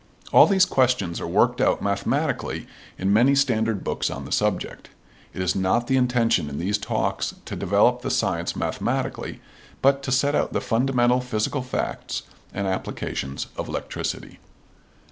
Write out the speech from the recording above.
All these questions are worked out mathematically in many standard books on the subject. It is not the intention in these talks to develop the science mathematically but to set out the fundamental physical facts and applications of electricity.